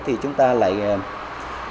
thì chúng ta lại có thể tìm ra những tên tôn giáo